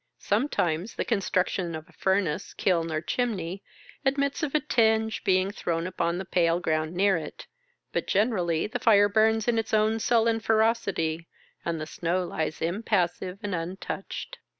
Sometimes, the construction of a furnace, kiln, or chimney, admits of a tinge being thrown upon the pale ground near it ; but, generally the fire burns in its own sullen ferocity, and the snow lies impassive and untouched.